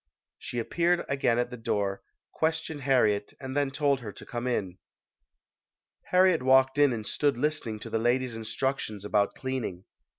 She appeared again at the door, questioned Har riet and then told her to come in. Harriet walked in and stood listening to the lady's instructions about cleaning.